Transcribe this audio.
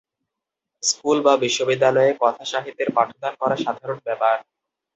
School বা বিশ্ববিদ্যালয়ে কথাসাহিত্যের পাঠদান করা সাধারণ ব্যাপার।